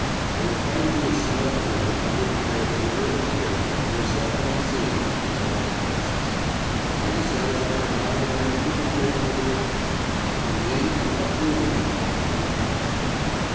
I will find you a snug corner from which you may observe and hear, yourself unseen, all that passes. Are you satisfied now that I am keeping faith with you?" "Indeed, you are proving it," I replied.